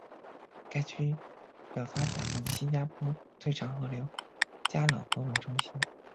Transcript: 该区的发展以新加坡最长河流加冷河为中心。